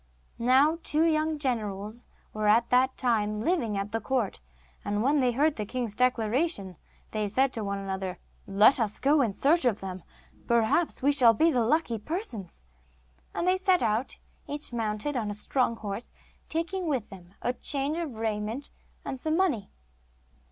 Now two young generals were at that time living at the court, and when they heard the king's declaration, they said one to the other: 'Let us go in search of them; perhaps we shall be the lucky persons.' And they set out, each mounted on a strong horse, taking with them a change of raiment and some money.